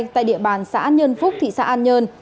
tại địa bàn xã an nhơn phúc thị xã an nhơn